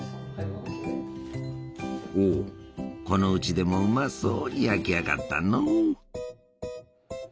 おおこのうちでもうまそうに焼き上がったのう！